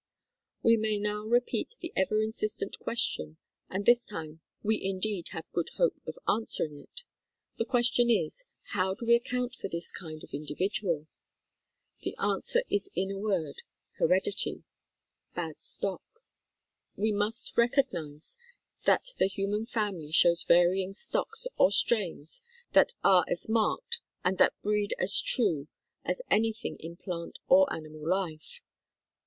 We may now repeat the ever insistent question, and this time we indeed have good hope of answering it. The question is, "How do we account for this kind of individual ? The answer is in a word "Heredity, " bad stock. We must recognize that the human family shows varying stocks or strains that are as marked and that breed as true as anything in plant or animal life.